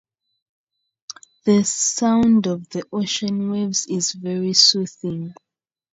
She died in Burbank, California.